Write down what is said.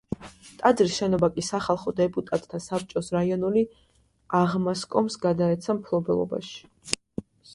ტაძრის შენობა კი სახალხო დეპუტატთა საბჭოს რაიონული აღმასკომს გადაეცა მფლობელობაში.